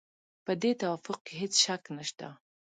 په دې توافق کې هېڅ شک نشته.